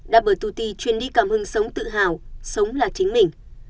doublet chuyển đi cảm hưng sống tự hào sống là chính mình